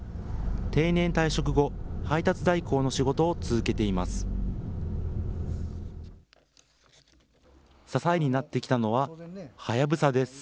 定年退職後、配達代行の仕事を続けています。